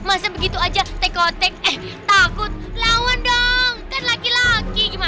aja takut lawan dong laki laki aja